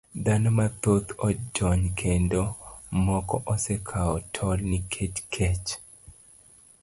Dhano mathoth ojony kendo moko osekawo tol nikech kech.